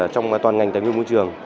trong toàn ngành tài nguyên môi trường